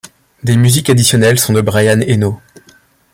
Des musiques additionnelles sont de Brian Eno.